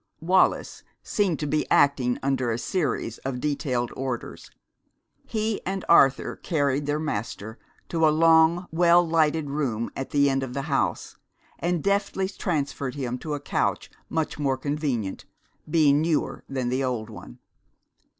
Wallis seemed to be acting under a series of detailed orders. He and Arthur carried their master to a long, well lighted room at the end of the house, and deftly transferred him to a couch much more convenient, being newer, than the old one.